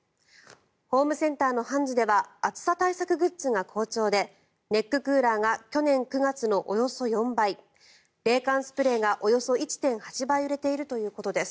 ホームセンターのハンズでは暑さ対策グッズが好調でネッククーラーが去年９月のおよそ４倍冷感スプレーがおよそ１．８倍売れているということです。